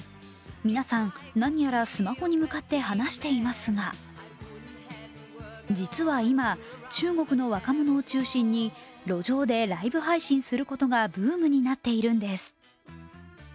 皆さん、何やらスマホに向かって話していますが実は今、中国の若者を中心に路上でライブ配信することがブームになっているんです。